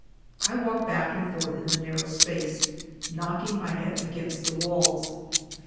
I walked back and forth in the narrow space, knocking my head against the walls.